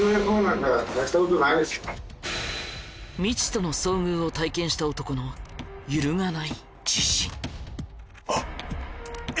未知との遭遇を体験した男の揺るがない自信。